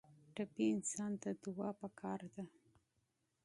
ټپي انسان ته دعا پکار ده.